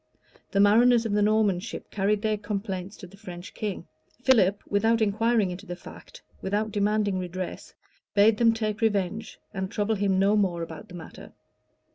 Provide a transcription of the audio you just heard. The mariners of the Norman ship carried their complaints to the French king: Philip, without inquiring into the fact, without demanding redress, bade them take revenge, and trouble him no more about the matter.